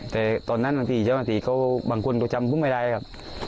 แต่ตอนนั้นบางคนก็จำผมไม่ได้ครับ